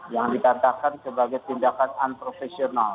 yang dikatakan sebagai tindakan unprofesional